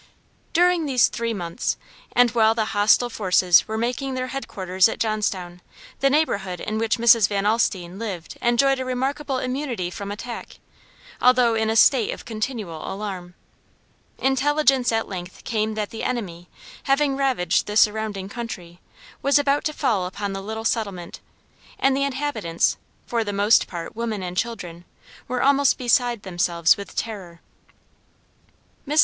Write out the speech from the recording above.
During these three months, and while the hostile forces were making their headquarters at Johnstown, the neighborhood in which Mrs. Van Alstine lived enjoyed a remarkable immunity from attack, although in a state of continual alarm. Intelligence at length came that the enemy, having ravaged the surrounding country, was about to fall upon the little settlement, and the inhabitants, for the most part women and children, were almost beside themselves with terror. Mrs.